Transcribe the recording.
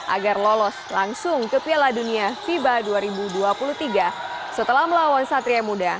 agar lolos langsung ke piala dunia fiba dua ribu dua puluh tiga setelah melawan satria muda